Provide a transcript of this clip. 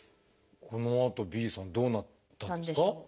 このあとＢさんどうなったんですか？